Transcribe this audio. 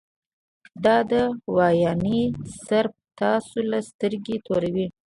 دا دوايانې صرف تاسو له سترګې توروي -